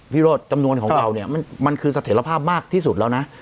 โรธจำนวนของเราเนี่ยมันคือเสถียรภาพมากที่สุดแล้วนะ